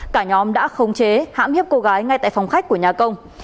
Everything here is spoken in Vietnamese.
cả nhóm đã khống chế hãm hiếp cô gái ngay tại phòng khách của nhà công